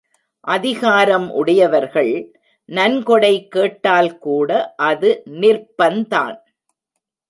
அதிகாரம் உடையவர்கள் நன்கொடை கேட்டால் கூட அது நிர்ப்பந்தான்.